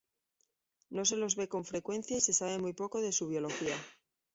No se los ve con frecuencia y se sabe muy poco de su biología.